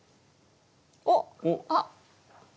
おっ！あっ。